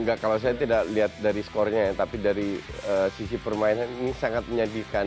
enggak kalau saya tidak lihat dari skornya ya tapi dari sisi permainan ini sangat menyedihkan